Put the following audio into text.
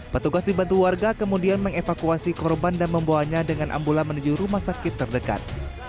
petugas dibantu warga kemudian mengevakuasi korban dan membawanya dengan ambulan menuju rumah sakit terdekat